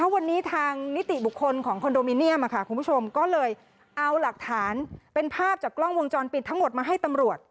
วันนี้ทางนิติบุคคลของคอนโดมิเนียมคุณผู้ชมก็เลยเอาหลักฐานเป็นภาพจากกล้องวงจรปิดทั้งหมดมาให้ตำรวจ